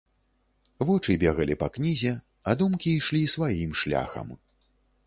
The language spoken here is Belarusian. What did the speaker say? Вочы бегалі па кнізе, а думкі ішлі сваім шляхам.